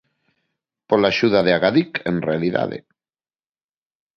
Pola axuda de Agadic, en realidade.